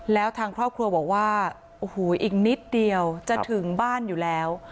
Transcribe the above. แล้วทางครอบครัวบอกว่าโอ้โหอีกนิดเดียวจะถึงบ้านอยู่แล้ว